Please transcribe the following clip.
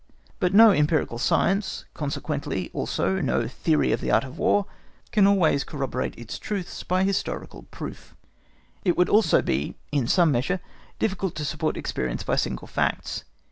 But no empirical science, consequently also no theory of the Art of War, can always corroborate its truths by historical proof; it would also be, in some measure, difficult to support experience by single facts.